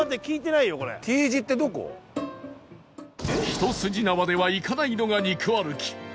ひと筋縄ではいかないのが肉歩き